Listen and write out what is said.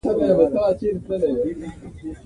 ابجګټف کورلیټف اصطلاح لومړی شپون صاحب وکاروله.